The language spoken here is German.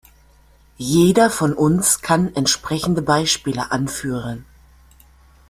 Jeder von uns kann entsprechende Beispiele anführen.